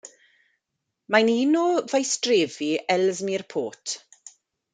Mae'n un o faestrefi Ellesmere Port.